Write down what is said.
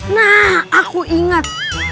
nah aku ingat